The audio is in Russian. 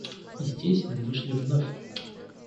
И здесь мы вышли вновь.